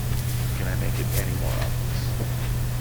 Can I make it any more obvious?